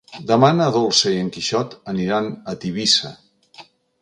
Demà na Dolça i en Quixot aniran a Tivissa.